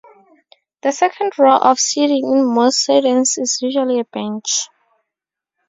The second row of seating in most sedans is usually a bench.